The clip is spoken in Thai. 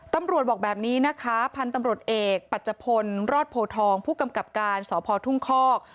บอกแบบนี้นะคะพันธุ์ตำรวจเอกปัจจพลรอดโพทองผู้กำกับการสพทุ่งคอก